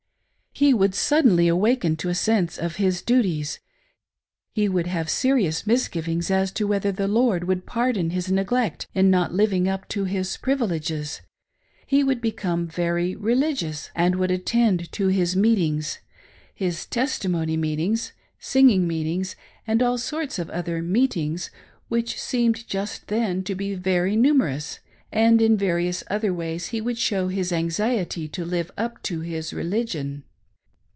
He would suddenly awaken to a sense of his duties ; he would hate serious misgivings as to whether the Lord would pardon his neglect in not living up to his privileges ; he wouM become very religious, and would attend to his meetings^bis " tes timony meetings," singing meetings, and all sorts of other "meetings," which seemed just then to be very numerous, and in various other ways he would show' his anxiety to live up to his religion.